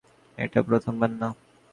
এটা প্রথমবার না।